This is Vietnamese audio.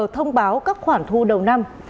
thông báo các khoản thu đầu năm